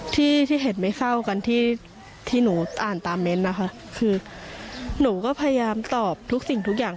ที่ที่เห็นไม่เท่ากันที่ที่หนูอ่านตามเมนต์นะคะคือหนูก็พยายามตอบทุกสิ่งทุกอย่าง